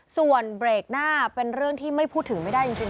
ส่วนเบรกหน้าเป็นเรื่องที่ไม่พูดถึงไม่ได้จริง